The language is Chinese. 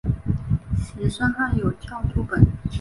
石声汉有校注本。